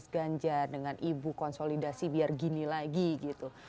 mas ganjar dengan ibu konsolidasi biar gini lagi gitu